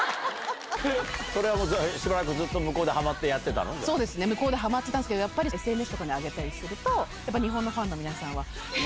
それはもうしばらくずっと向そうですね、向こうではまってたんですけど、やっぱりＳＮＳとかに上げたりすると、やっぱり日本のファンの皆さんは、え？